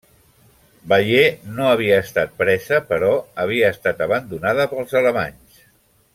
Bayeux no havia estat presa però havia estat abandonada pels alemanys.